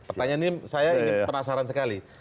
pertanyaan ini saya ingin penasaran sekali